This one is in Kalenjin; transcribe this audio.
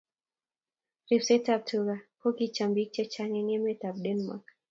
Ribsetap tuga ko kikocham bik chechang eng emetab Denmark